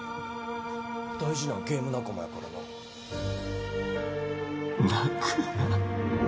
大事なゲーム仲間やからな泣くな